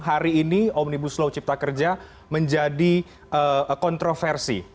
hari ini omnibus law cipta kerja menjadi kontroversi